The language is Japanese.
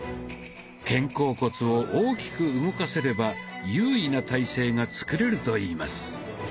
肩甲骨を大きく動かせれば優位な体勢が作れるといいます。